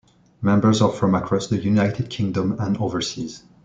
Members are from across the United Kingdom and overseas.